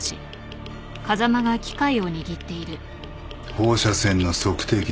放射線の測定器です。